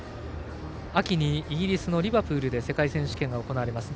秋にイギリスのリバプールで世界選手権が行われます。